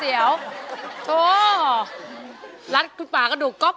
นี้ครับ